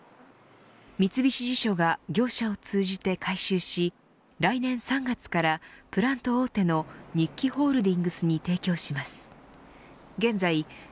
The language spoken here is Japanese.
三菱地所が業者を通じて回収し来年３月からプラント大手の日揮ホールディングスに提供します。